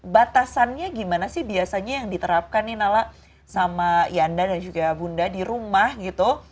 batasannya gimana sih biasanya yang diterapkan nih nala sama yanda dan juga bunda di rumah gitu